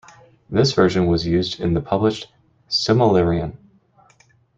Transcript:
This version was used in the published "Silmarillion".